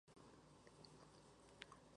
Página oficial del Aeropuerto de Tartu